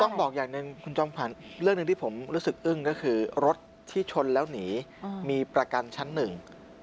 บอกอย่างหนึ่งคุณจอมขวัญเรื่องหนึ่งที่ผมรู้สึกอึ้งก็คือรถที่ชนแล้วหนีมีประกันชั้นหนึ่ง